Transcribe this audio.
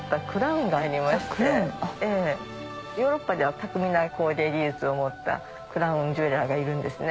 ヨーロッパでは巧みな工芸技術を持ったクラウンジュエラーがいるんですね。